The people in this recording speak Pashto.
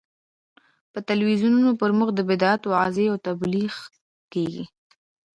په تلویزیون پر مخ د بدعت وعظ او تبلیغ کېږي.